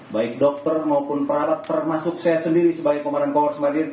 baik dokter maupun perawat termasuk saya sendiri sebagai komandan korps marinir